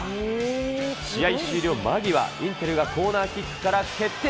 試合終了間際、インテルがコーナーキックから決定。